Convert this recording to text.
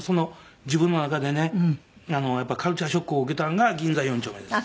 自分の中でねカルチャーショックを受けたんが銀座４丁目です。